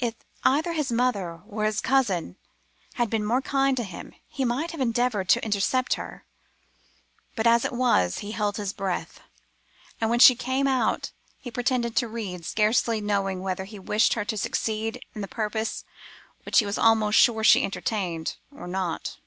If either his mother or his cousin had been more kind to him, he might have endeavoured to intercept her; but as it was, he held his breath, and when she came out he pretended to read, scarcely knowing whether he wished her to succeed in the purpose which he was almost sure she entertained, or not.